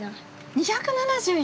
２７４！